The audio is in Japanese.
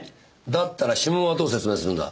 だったら指紋はどう説明するんだ？